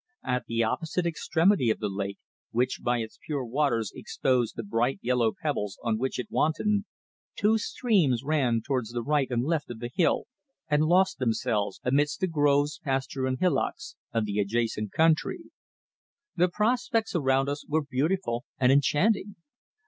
At the opposite extremity of the lake, which by its pure waters exposed the bright yellow pebbles on which it wantoned, two streams ran towards the right and left of the hill and lost themselves amidst the groves, pasture and hillocks of the adjacent country. The prospects around us were beautiful and enchanting.